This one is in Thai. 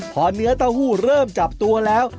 พอเนื้อเต้าหู้เริ่มจับตัวแล้ว